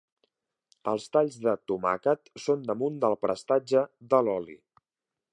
Els talls de tomàquet són damunt del prestatge de l'oli.